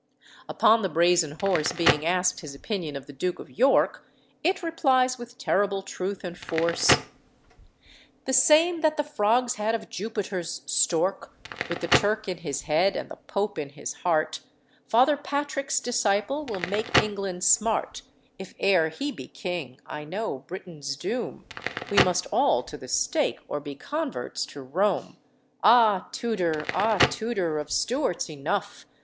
Upon the brazen horse being asked his opinion of the Duke of York, it replies with terrible truth and force: "The same that the frogs had of Jupiter's stork. With the Turk in his head and the Pope in his heart, Father Patrick's disciple will make England smart. If e'er he be king, I know Britain's doom: We must all to the stake or be converts to Rome. Ah! Tudor! ah! Tudor! of Stuarts enough.